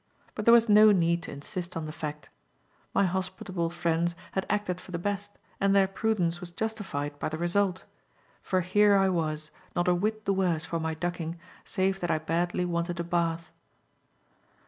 But there was no need to insist on the fact. My hospitable friends had acted for the best and their prudence was justified by the result; for here I was, not a whit the worse for my ducking save that I badly wanted a bath.